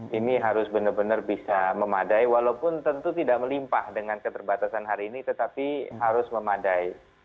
ini harus benar benar bisa memadai walaupun tentu tidak melimpah dengan keterbatasan hari ini tetapi harus memadai